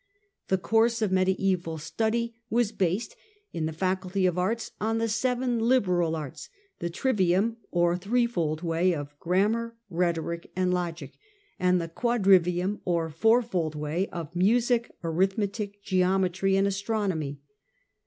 The course of mediaeval study was based, in the Faculty of Arts, on the Seven Liberal Arts, the Trivium, or " threefold way," of Grammar, Rhetoric, and Logic, and the Quadrivium, or "fourfold way," of Music, Arithmetic, Geometry, and Astronomy.